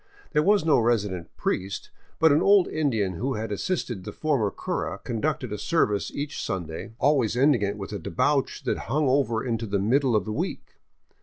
There was no resident priest, but an old Indian who had assisted the former cura conducted a service each Sunday, always ending it with a debauch that hung over into the mid dle of the week.